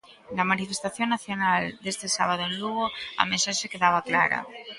Na manifestación nacional deste sábado en Lugo a mensaxe quedaba clara.